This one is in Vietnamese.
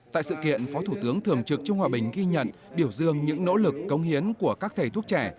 tại sự kiện phó thủ tướng thường trực trung hòa bình ghi nhận biểu dương những nỗ lực công hiến của các thầy thuốc trẻ